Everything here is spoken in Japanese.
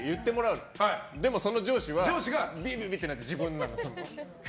でも、その上司はビリビリってなって自分なの。